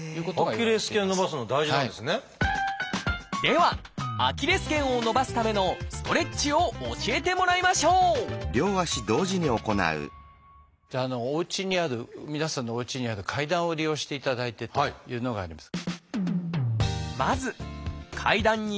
ではアキレス腱を伸ばすためのストレッチを教えてもらいましょうじゃあおうちにある皆さんのおうちにある階段を利用していただいてというのがあります。